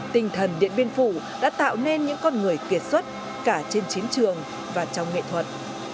tinh thần điện biên phủ đã tạo nên những con người kiệt xuất cả trên chiến trường và trong nghệ thuật